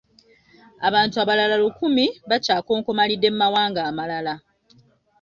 Abantu abalala lukumi bakyakonkomalidde mu mawanga amalala.